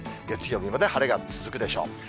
月曜日まで晴れが続くでしょう。